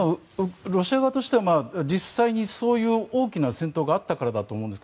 ロシア側としては実際にそういう大きな戦闘があったからだと思います。